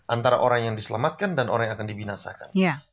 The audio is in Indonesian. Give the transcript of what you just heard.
antara orang yang diselamatkan dan orang yang akan dibinasakan